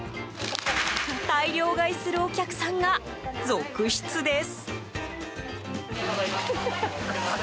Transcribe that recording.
大量買いするお客さんが続出です。